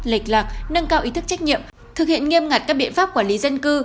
lịch lạc nâng cao ý thức trách nhiệm thực hiện nghiêm ngặt các biện pháp quản lý dân cư